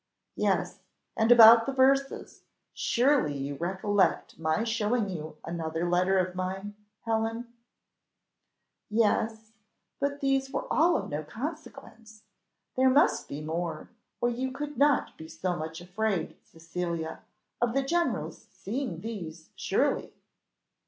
"Yes, and about the verses; surely you recollect my showing you another letter of mine, Helen!" "Yes, but these were all of no consequence; there must be more, or you could not be so much afraid, Cecilia, of the general's seeing these, surely."